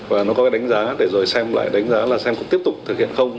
và nó có cái đánh giá để rồi xem lại đánh giá là xem có tiếp tục thực hiện không